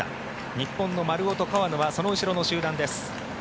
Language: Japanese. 日本の丸尾と川野はその後ろの集団です。